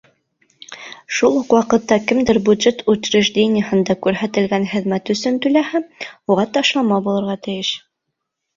Шул уҡ ваҡытта кемдер бюджет учреждениеһында күрһәтелгән хеҙмәт өсөн түләһә, уға ташлама булырға тейеш.